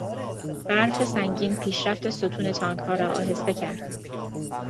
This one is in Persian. برف سنگین پیشرفت ستون تانکها را آهسته کرد.